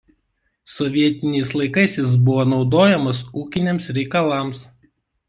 Sovietiniais laikais jis buvo naudojamas ūkiniams reikalams.